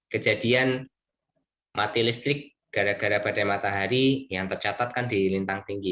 kejadian mati listrik gara gara badai matahari yang tercatat kan di lintang tinggi